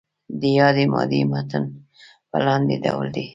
د یادې مادې متن په لاندې ډول دی.